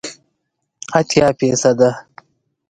اتیا فیصده